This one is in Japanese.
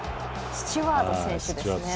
スチュワード選手ですね。